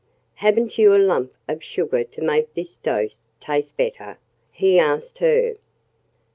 "Haven't you a lump of sugar to make this dose taste better?" he asked her.